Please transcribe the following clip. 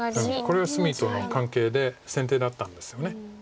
これは隅との関係で先手だったんですよね。